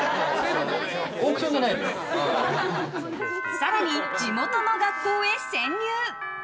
更に、地元の学校へ潜入！